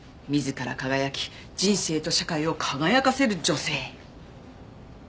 自ら輝き人生と社会を輝かせる女性。